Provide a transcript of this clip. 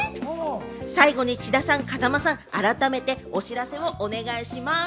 最後に志田さん、風間さん、改めてお知らせお願いします。